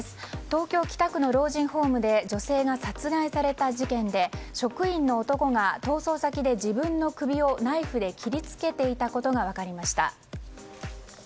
東京・北区の老人ホームで女性が殺害された事件で職員の男が逃走先で自分の首をナイフで切り付けていたことが分かりました。